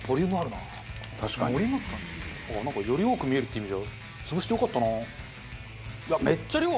のりますかね？より多く見えるって意味じゃ潰してよかったな。